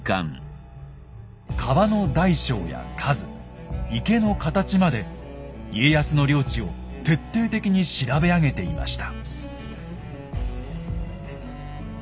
川の大小や数池の形まで家康の領地を徹底的に調べ上げていました。